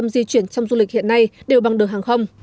năm trăm linh di chuyển trong du lịch hiện nay đều bằng đường hàng không